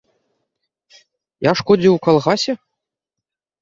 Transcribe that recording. Я шкодзіў у калгасе?